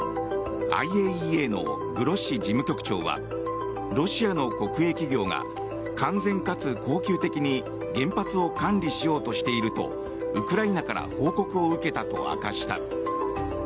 ＩＡＥＡのグロッシ事務局長はロシアの国営企業が完全かつ恒久的に原発を管理しようとしているとウクライナから報告を受けたと明かした。